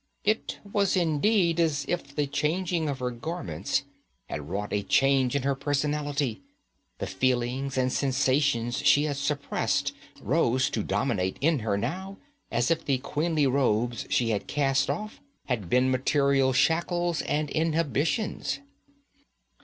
It was indeed as if the changing of her garments had wrought a change in her personality. The feelings and sensations she had suppressed rose to domination in her now, as if the queenly robes she had cast off had been material shackles and inhibitions.